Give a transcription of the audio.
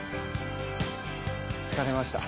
疲れました。